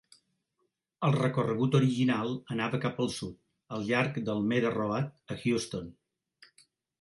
El recorregut original anava cap al sud, al llarg d'Almeda Road, a Houston.